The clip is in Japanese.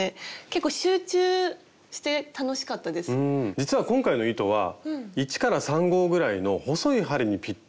実は今回の糸は１３号ぐらいの細い針にぴったりな糸なんですよ。